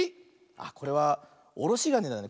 あっこれはおろしがねだね。